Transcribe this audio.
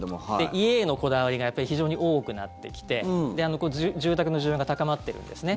家へのこだわりが非常に多くなってきて住宅の需要が高まっているんですね。